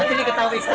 ini ketahui istri